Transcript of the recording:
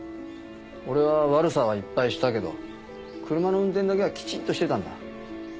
俺は悪さはいっぱいしたけど車の運転だけはきちっとしてたんだ。